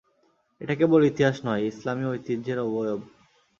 এটা কেবল ইতিহাস নয়, ইসলামী ঐতিহ্যের অবয়ব।